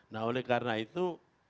nah oleh karena itu